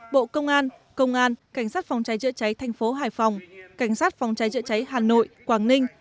bộ công an công an cảnh sát phòng cháy chữa cháy thành phố hải phòng cảnh sát phòng cháy chữa cháy hà nội quảng ninh